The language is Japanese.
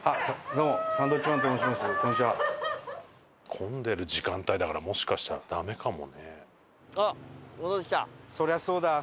混んでる時間帯だからもしかしたらダメかもね。